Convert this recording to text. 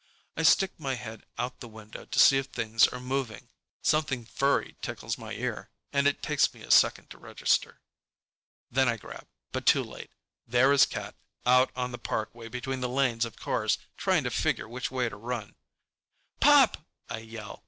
I stick my head out the window to see if things are moving. Something furry tickles my ear, and it takes me a second to register. Then I grab, but too late. There is Cat, out on the parkway between the lanes of cars, trying to figure which way to run. "Pop!" I yell.